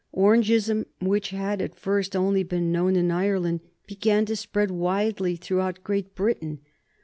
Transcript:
Orangeism, which had at first only been known in Ireland, began to spread widely throughout Great Britain.